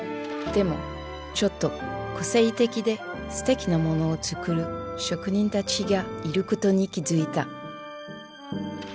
でもちょっと個性的ですてきなモノを作る職人たちがいることに気付いた。